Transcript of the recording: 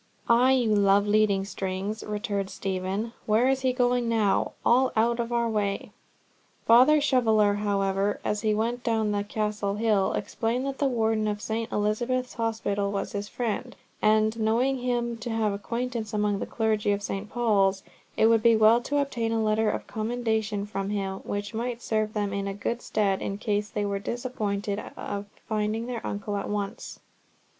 "Ay, you love leading strings," returned Stephen. "Where is he going now? All out of our way!" Father Shoveller, however, as he went down the Castle hill, explained that the Warden of St. Elizabeth's Hospital was his friend, and knowing him to have acquaintance among the clergy of St. Paul's, it would be well to obtain a letter of commendation from him, which might serve them in good stead in case they were disappointed of finding their uncle at once.